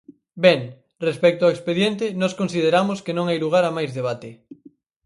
Ben, respecto ao expediente nós consideramos que non hai lugar a máis debate.